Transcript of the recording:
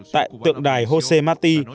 tại tượng đài jose mati